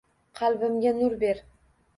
Qalbimga nur ber